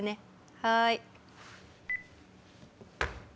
はい。